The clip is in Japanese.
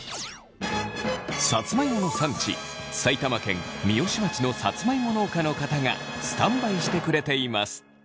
さつまいもの産地埼玉県三芳町のさつまいも農家の方がスタンバイしてくれています。